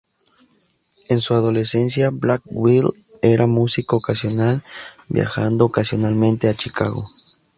En su adolescencia, Blackwell era un músico ocasional viajando ocasionalmente a Chicago.